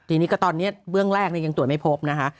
ทีนี้ก็ตอนนี้เบื้องแรกยังตรวจไม่พบนะคะ